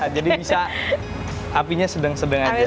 jadi bisa apinya sedang sedang aja